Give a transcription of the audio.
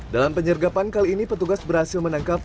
dalam penyergapan kali ini petugas berhasil menangkap